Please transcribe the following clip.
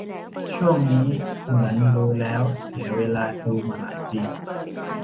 ช่วงนี้เหมือนดูแล้วเสียเวลาดูมาหลายปี